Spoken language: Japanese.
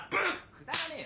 くだらねえよ。